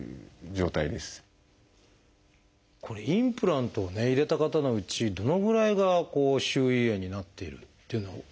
これインプラントをね入れた方のうちどのぐらいが周囲炎になっているっていうのは分かってるんですか？